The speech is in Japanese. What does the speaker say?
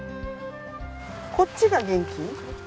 こっちが元気？